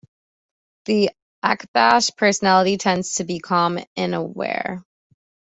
The Akbash personality tends to be calm and aware.